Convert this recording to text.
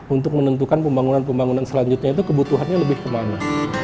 untuk menentukan pembangunan pembangunan selanjutnya itu kebutuhannya lebih kemana